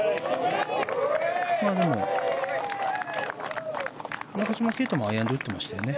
でも中島啓太もアイアンで打ってましたよね。